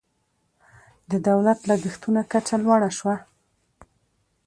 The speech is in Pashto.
د دولت لګښتونو کچه لوړه شوه.